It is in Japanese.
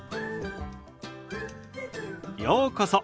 ようこそ。